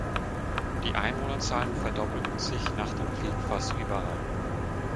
Die Einwohnerzahlen verdoppelten sich nach dem Krieg fast überall.